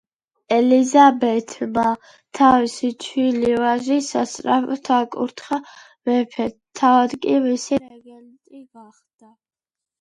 ელიზაბეთმა თავისი ჩვილი ვაჟი სასწრაფოდ აკურთხა მეფედ, თავად კი მისი რეგენტი გახდა.